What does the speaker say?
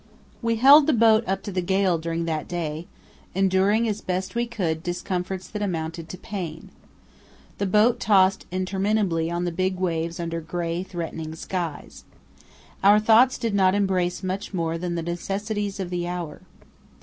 We held the boat up to the gale during that day, enduring as best we could discomforts that amounted to pain. The boat tossed interminably on the big waves under grey, threatening skies. Our thoughts did not embrace much more than the necessities of the hour.